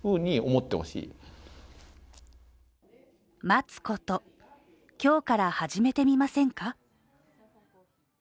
「待つこと」、今日から始めてみませんか。